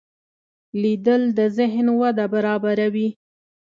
لیدل د ذهن وده برابروي